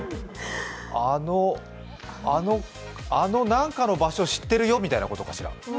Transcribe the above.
あのなんかの場所、知ってるよみたいなことかしら。